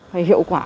và hiệu quả